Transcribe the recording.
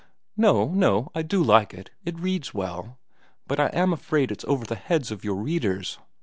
"No, no; I do like it. It reads well. But I am afraid it's over the heads of your readers.